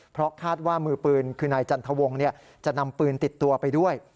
เพราะคาดว่ามือปืนคือนายจันทวงศ์จะนำปืนติดตัวไปด้วย